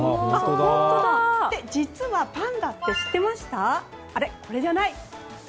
実はパンダって、知ってました？